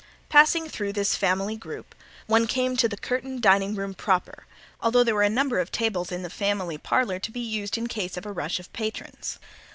Passing through this family group one came to the curtained dining room proper, although there were a number of tables in the family parlor to be used in case of a rush of patrons.